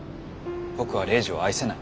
僕はレイジを愛せない。